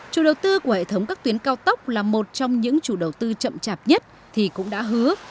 chủ đầu tư của hệ thống các tuyến cao tốc là một trong những chủ đầu tư chậm chạp nhất thì cũng đã hứa